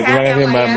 terima kasih mbak may